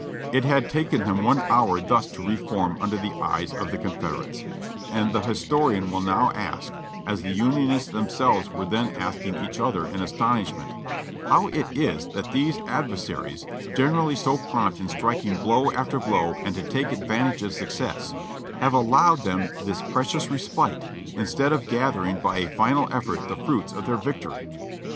"It had taken them one hour thus to reform under the eyes of the Confederates ; and the historian will now ask, as the Union ists themselves were then asking each other in astonishment, how is it that these adversaries, generally so prompt in striking blow after blow and to take advantage of success, have allowed them this precious respite, instead of gathering by a final effort the fruits of their victory?